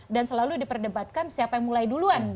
dan selalu diperdebatkan siapa yang mulai duluan